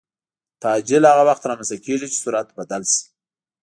تعجیل هغه وخت رامنځته کېږي چې سرعت بدل شي.